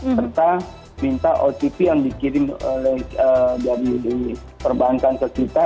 serta minta otp yang dikirim dari perbankan ke kita